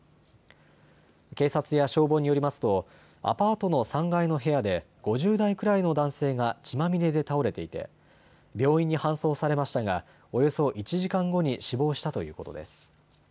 警察や消防によりますとアパートの３階の部屋で５０代くらいの男性が血まみれで倒れていて病院に搬送されましたがおよそ１時間後に死亡したということです。